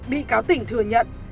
bị cáo tỉnh thừa nhận